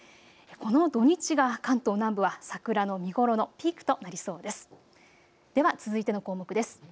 この土日が関東南部は桜の見頃のピークとなりそうです。